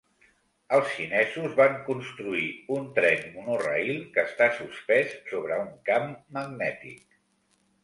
Els xinesos van construir un tren monorail que està suspès sobre un camp magnètic.